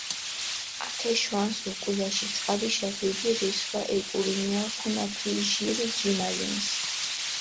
ათე შვანს უკულაში ძღაბიშა დიდი რისხვა ეკურინუაფუნა თი ჟირი ჯიმალენს.